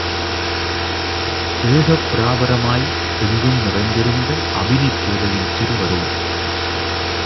ஏகப்ராபரமாய் எங்கும் நிறைந்திருந்த அபினிப் போதையின் திருவருள்.